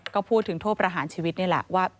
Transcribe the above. ก็พูดถึงโทษประหารชีวิตนี่แหละว่า